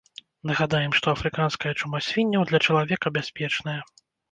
Нагадаем, што афрыканская чума свінняў для чалавека бяспечная.